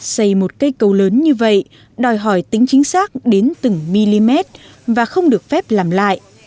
xây một cây cầu lớn như vậy đòi hỏi tính chính xác đến từng mm và không được phép làm lại